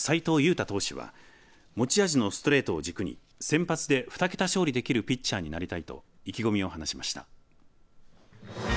汰投手は持ち味のストレートを軸に先発で２桁勝利できるピッチャーになりたいと意気込みを話しました。